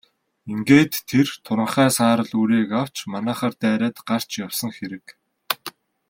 Ингээд тэр туранхай саарал үрээг авч манайхаар дайраад гарч явсан хэрэг.